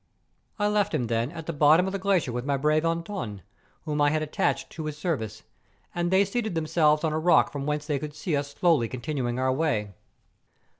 I left him then at the bottom of the glacier with my brave Antoine, whom I had attached to his ser¬ vice; and they seated themselves on a rock from whence they could see us slowly continuing our way.